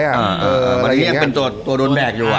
มารินี่เป็นตัวโดนแบกอยู่อะ